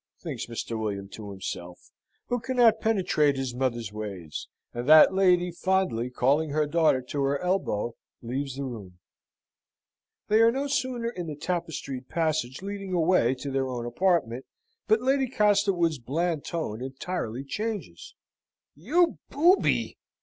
thinks Mr. William to himself, who cannot penetrate his mother's ways; and that lady, fondly calling her daughter to her elbow, leaves the room. They are no sooner in the tapestried passage leading away to their own apartment, but Lady Castlewood's bland tone entirely changes. "You booby!"